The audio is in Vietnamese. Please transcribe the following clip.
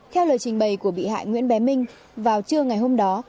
theo lời trình bày của bị hại nguyễn bé minh vào trưa ngày hôm đó